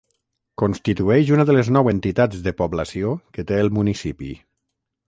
Constitueix una de les nou entitats de població que té el municipi.